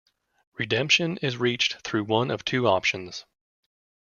Redemption is reached through one of two options.